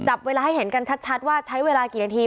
จับเวลาให้เห็นกันชัดว่าใช้เวลากี่นาที